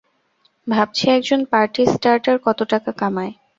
ভাবছি, একজন party starter কত টাকা কামায়।